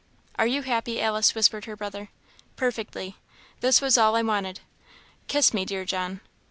"Are you happy, Alice?" whispered her brother. "Perfectly. This was all I wanted. Kiss me, dear John!"